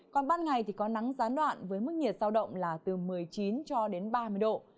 còn ban ngày thì có nắng gián đoạn với mức nhiệt giao động là từ một mươi chín cho đến ba mươi độ